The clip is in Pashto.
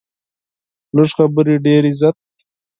کمې خبرې، ډېر عزت.